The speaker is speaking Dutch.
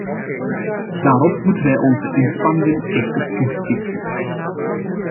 Daarop moeten wij onze inspanningen echter toespitsen.